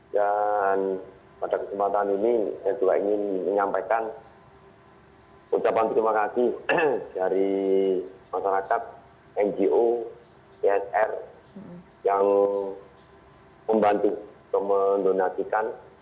dan pada kesempatan ini saya juga ingin menyampaikan ucapan terima kasih dari masyarakat ngo psr yang membantu dan mendonatikan